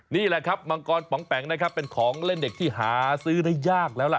นี่แหละครับมังกรป๋องแป๋งนะครับเป็นของเล่นเด็กที่หาซื้อได้ยากแล้วล่ะ